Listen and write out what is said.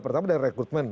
pertama dari rekrutmen